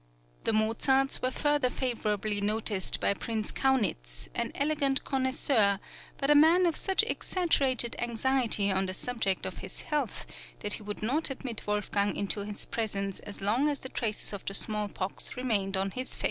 The Mozarts were further favourably noticed by Prince Kaunitz, an elegant connoisseur, but a man of such exaggerated anxiety on the subject of his health, that he would not admit Wolfgang into his presence as long as the traces of the small pox remained on his face.